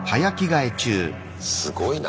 すごいな。